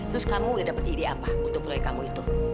terus kamu udah dapet ide apa untuk proyek kamu itu